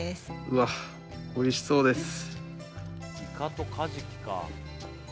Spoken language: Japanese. うわっ美味しそうです